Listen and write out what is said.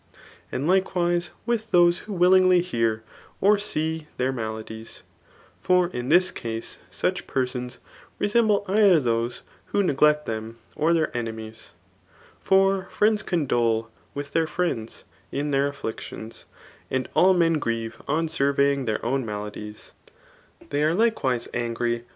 And likewise with those who [willingly] hear or see their maladies ; for in this case, such persons resemble either those who ne glect them, or their enemies. For friends condole [with their friends] in their afflictions ; and all men grieve on surveymg their own mabdies. They are likewise angry }06 TH£ ART 9? ,BO!